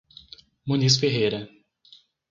Muniz Ferreira